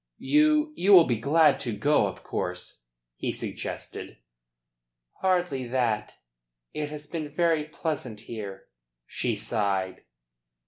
"You you will be glad to go, of course?" he suggested. "Hardly that. It has been very pleasant here." She sighed.